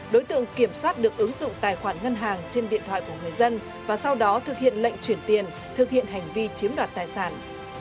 đối tượng kiểm soát được ứng dụng tài khoản ngân hàng trên điện thoại của người dân và sau đó thực hiện lệnh chuyển tiền thực hiện hành vi chiếm đoạt tài sản